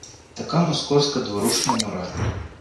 Така московська дворушна мораль